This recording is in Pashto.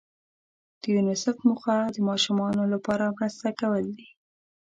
د یونیسف موخه د ماشومانو لپاره مرسته کول دي.